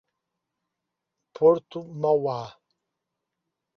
Porto Mauá